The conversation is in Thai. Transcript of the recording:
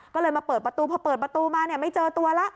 ก็เลยมาเปิดประตูพอเปิดประตูมาไม่เจอตัวแล้ว